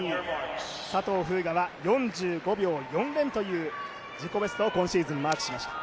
佐藤風雅は４５秒４０という自己ベストを今シーズンマークしました。